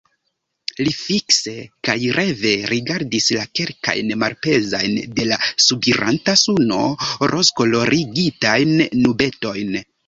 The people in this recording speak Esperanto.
Li fikse kaj reve rigardis la kelkajn malpezajn de la subiranta suno rozkolorigitajn nubetojn.